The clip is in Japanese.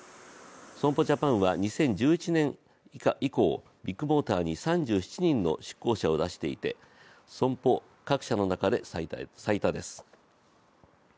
損保ジャパンは２０１１年以降、ビッグモーターに３７人の出向者を出していて損保各社の中で最多です。